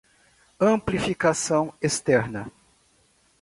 Amplificação extrema